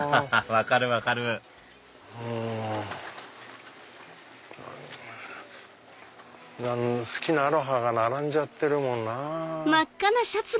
分かる分かる好きなアロハが並んじゃってるもんなぁ。